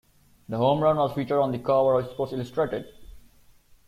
The home run was featured on the cover of Sports Illustrated.